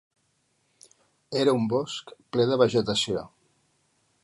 Era un bosc ple de vegetació.